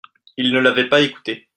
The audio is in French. Ils ne l'avaient pas écouté.